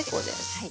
はい。